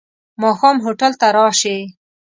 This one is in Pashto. ماښام هوټل ته راشې.